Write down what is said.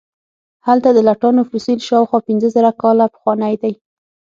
هلته د لټانو فسیل شاوخوا پنځه زره کاله پخوانی دی.